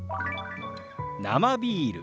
「生ビール」。